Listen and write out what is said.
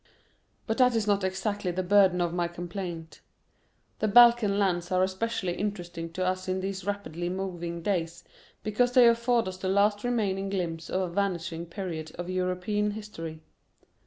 But that is not exactly the burden of my complaint. The Balkan lands are especially interesting to us in these rapidly moving days because they afford us the last remaining glimpse of a vanishing period of European history.